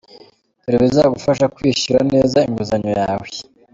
Dore ibizagufasha kwishyura neza inguzanyo yawe.